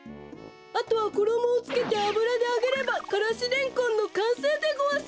あとはころもをつけてあぶらであげればからしレンコンのかんせいでごわす！